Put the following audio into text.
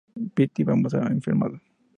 piti, vamos. ha enfermado.